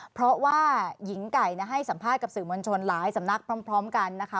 เพราะว่าหญิงไก่ให้สัมภาษณ์กับสื่อมวลชนหลายสำนักพร้อมกันนะคะ